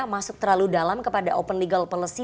masuk terlalu dalam kepada open legal policy